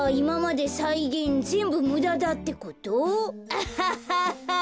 アハハハ！